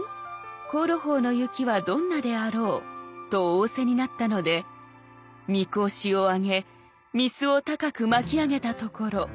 香炉峰の雪はどんなであろう』と仰せになったので御格子を上げ御簾を高く巻き上げたところ